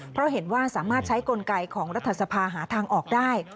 เพราะเห็นว่าสามารถใช้กลไกของรัฐสภาหาทางออกได้